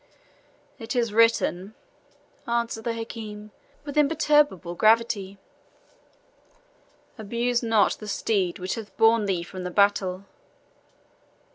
"It is written," answered the Hakim, with imperturbable gravity, "'Abuse not the steed which hath borne thee from the battle.'